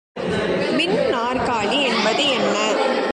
மின் நாற்காலி என்பது என்ன?